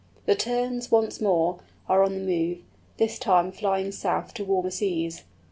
The Terns, once more, are on the move, this time flying south to warmer seas.